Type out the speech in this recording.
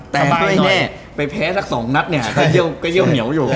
แต่ไม่แน่ไปแพ้สักสองนัดเนี่ย